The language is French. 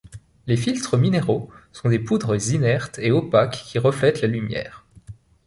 Les filtres minéraux sont des poudres inertes et opaques qui reflètent la lumière.